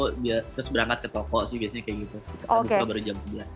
terus berangkat ke toko sih biasanya kayak gitu kita buka baru jam sebelas